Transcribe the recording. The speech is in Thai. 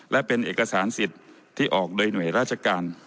และเป็นเอกสารสิทธิ์ที่ออกโดยหน่วยราชการ